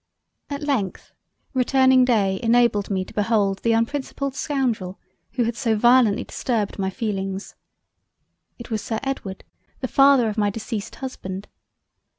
At length, returning Day enabled me to behold the unprincipled Scoundrel who had so violently disturbed my feelings. It was Sir Edward the father of my Deceased Husband.